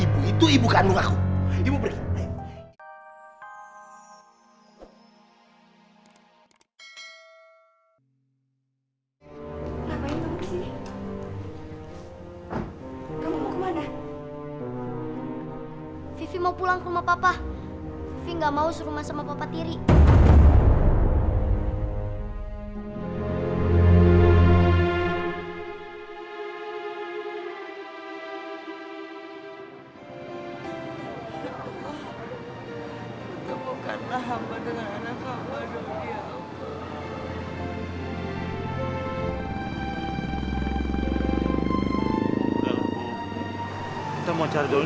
kita mau cari dong